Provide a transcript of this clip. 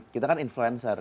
kita kan influencer